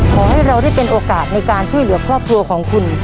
ขอให้เราได้เป็นโอกาสในการช่วยเหลือครอบครัวของคุณ